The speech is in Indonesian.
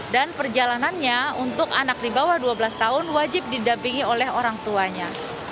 dan perjalanannya untuk anak di bawah dua belas tahun wajib didampingi oleh orang tuanya